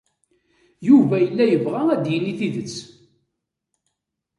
Yuba yella yebɣa ad d-yini tidet.